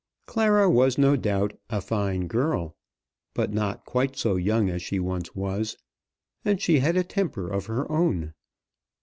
Clara was no doubt "a fine girl," but not quite so young as she was once. And she had a temper of her own.